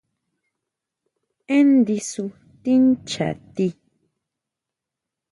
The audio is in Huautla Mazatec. Énn ndisu tincha ti.